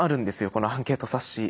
このアンケート冊子。